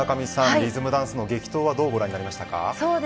リズムダンスの激闘はどうご覧になりましたか。